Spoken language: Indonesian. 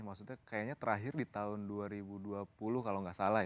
maksudnya kayaknya terakhir di tahun dua ribu dua puluh kalau nggak salah ya